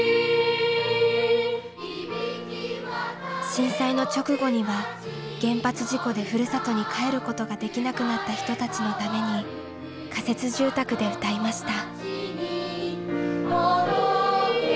震災の直後には原発事故でふるさとに帰ることができなくなった人たちのために仮設住宅で歌いました。